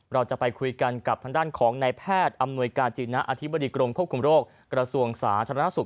เราจะไปคุยกันกับทางด้านของนายแพทย์อำนวยกาจีณะอธิบดีกรมควบคุมโรคกระทรวงสาธารณสุข